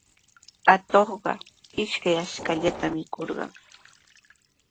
Atuqqa ishkay ashkallaata mikurqan.